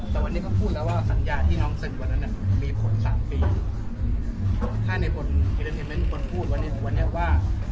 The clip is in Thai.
แต่วันนี้เขาพูดแล้วว่าสัญญาที่น้องเซ็นวันนั้นเนี่ยมีผลสามปีถ้าในบทคนพูดวันนี้ว่า